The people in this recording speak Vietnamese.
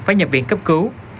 phải nhập viện cấp cứu